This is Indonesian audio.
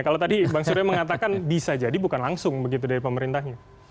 kalau tadi bang surya mengatakan bisa jadi bukan langsung begitu dari pemerintahnya